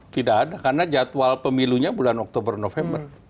tidak ada karena jadwal pemilunya bulan oktober november